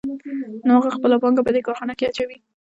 نو هغه خپله پانګه په دې کارخانه کې اچوي